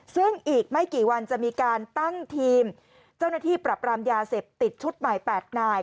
ซึ่งอีกไม่กี่วันจะมีการตั้งทีมเจ้าหน้าที่ปรับรามยาเสพติดชุดใหม่๘นาย